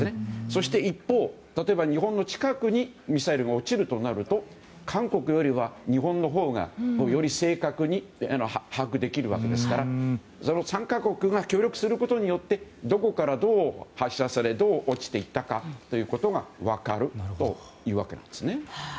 そして、一方例えば日本の近くにミサイルが落ちるとなると韓国よりは日本のほうがより正確に把握できるわけですからその３か国が協力することによってどこからどう発射され、どう落ちていったかが分かるというわけです。